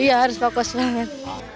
iya harus fokus banget